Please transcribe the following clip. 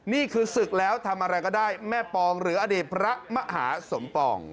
นี่คือศึกแล้วทำอะไรก็ได้แม่ปองหรืออดีตพระมหาสมปอง